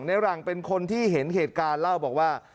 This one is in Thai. ในหลังเป็นคนที่เห็นเหตุการณ์เล่าบอกว่า